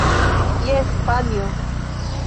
Jes, panjo.